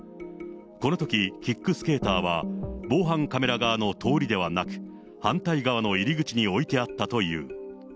このとき、キックスケーターは、防犯カメラ側の通りではなく、反対側の入り口に置いてあったという。